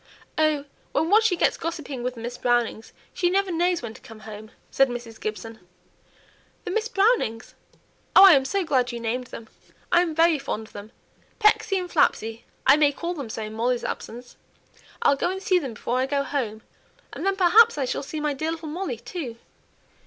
"Oh! when she once gets gossiping with the Miss Brownings, she never knows when to come home," said Mrs. Gibson. "The Miss Brownings? Oh! I'm so glad you named them! I'm very fond of them. Pecksy and Flapsy; I may call them so in Molly's absence. I'll go and see them before I go home, and then perhaps I shall see my dear little Molly too.